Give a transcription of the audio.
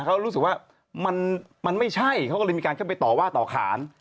เขารู้สึกว่ามันไม่ใช่เขาก็เลยมีการเข้าไปต่อว่าต่อขาน